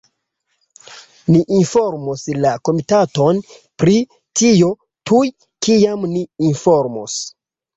Ni informos la komitaton pri tio tuj, kiam ni povos.